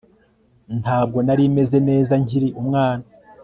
Ntabwo nari meze neza nkiri umwana